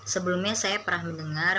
sebelumnya saya pernah mendengar